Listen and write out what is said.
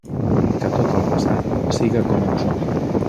Que tot el passat siga com un somni.